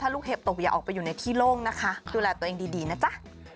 ลูกเห็บตกอย่าออกไปอยู่ในที่โล่งนะคะดูแลตัวเองดีนะจ๊ะ